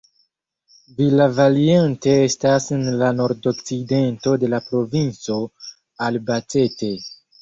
Villavaliente estas en la nordokcidento de la provinco Albacete.